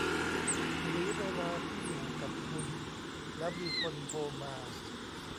หรือเวลาที่อยู่กับคุณแล้วมีคนโทร มา